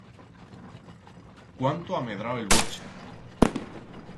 Cuánto ha medrau el borche!